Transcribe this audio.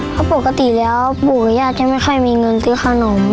เพราะปกติแล้วปู่กับญาติจะไม่ค่อยมีเงินซื้อขนม